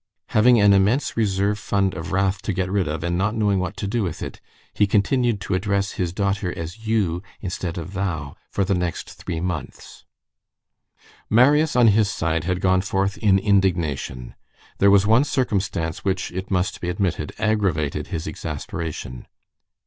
Having an immense reserve fund of wrath to get rid of, and not knowing what to do with it, he continued to address his daughter as you instead of thou for the next three months. Marius, on his side, had gone forth in indignation. There was one circumstance which, it must be admitted, aggravated his exasperation.